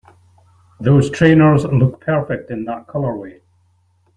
Those trainers look perfect in that colorway!